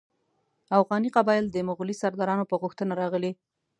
اوغاني قبایل د مغولي سردارانو په غوښتنه راغلي.